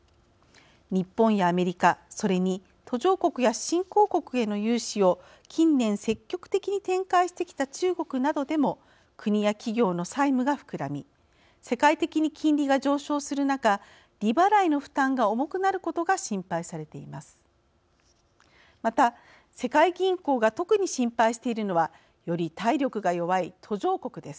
日本やアメリカ、それに途上国や新興国への融資を近年、積極的に展開してきた中国などでも国や企業の債務が膨らみ世界的に金利が上昇する中利払いの負担が重くなることが心配されています。